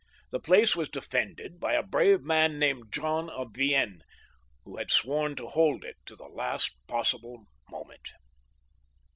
The place was defended by a brave man, named John of Vienne, who had sworn to hold it to the last moment possible.